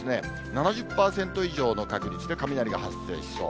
７０％以上の確率で雷が発生しそう。